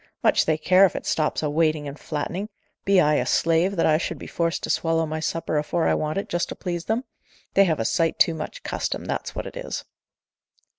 Much they care if it stops a waiting and flattening! Be I a slave, that I should be forced to swallow my supper afore I want it, just to please them? They have a sight too much custom, that's what it is."